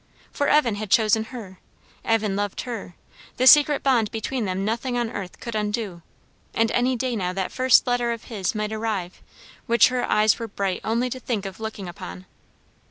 For Evan had chosen her; Evan loved her; the secret bond between them nothing on earth could undo; and any day now that first letter of his might arrive, which her eyes were bright only to think of looking upon.